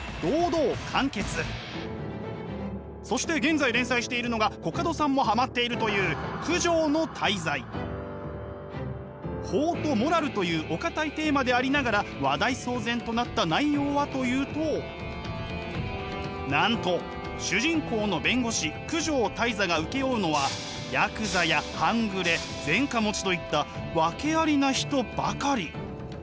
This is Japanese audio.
そして現在連載しているのがコカドさんもハマっているという法とモラルというお堅いテーマでありながら話題騒然となった内容はというとなんと主人公の弁護士九条間人が請け負うのはヤクザや半グレ前科持ちといった訳ありな人ばかり。